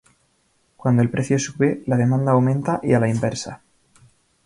Cuando el precio sube, la demanda aumenta, y a la inversa.